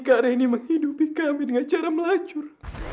karini menghidupi kami dengan cara melacur